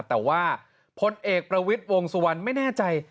แต่ว่าพลเอกประวิทย์วงสุวรรณไม่แน่ใจ